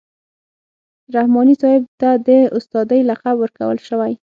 رحماني صاحب ته د استادۍ لقب ورکول شوی.